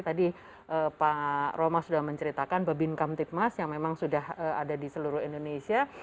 tadi pak roma sudah menceritakan babin kamtipmas yang memang sudah ada di seluruh indonesia